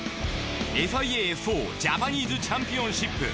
ＦＩＡ−Ｆ４ジャパニーズチャンピオンシップ。